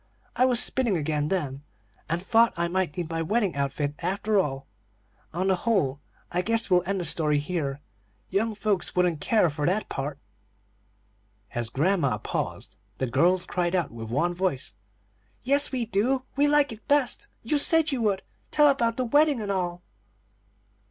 I was spinning again then, and thought I might need my wedding outfit, after all On the whole, I guess we'll end the story here; young folks wouldn't care for that part." As grandma paused, the girls cried out with one voice: "Yes, we do! we like it best. You said you would. Tell about the wedding and all."